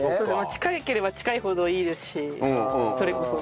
近ければ近いほどいいですしそれこそ。